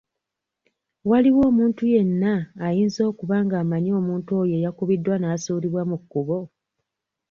Waliwo omuntu yenna ayinza okuba ng'amanyi omuntu oyo eyakubiddwa n'asuulibwa mu kkubo?